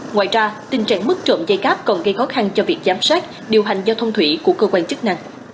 ngoài ra tình trạng mất trộm dây cáp còn gây khó khăn cho việc giám sát điều hành giao thông thủy của cơ quan chức năng